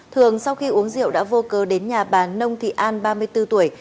thường sau khi uống rượu đã vô cơ đến nhà bà nông thị an ba mươi bốn tuổi